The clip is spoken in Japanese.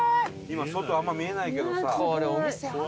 今外あんま見えないけどさ。